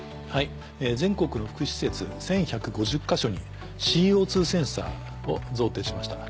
全国の福祉施設１１５０か所にＣＯセンサーを贈呈しました。